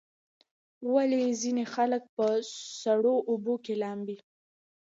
ولې ځینې خلک په سړو اوبو کې لامبي؟